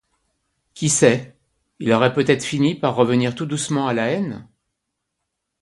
Qui sait? il aurait peut-être fini par revenir tout doucement à la haine.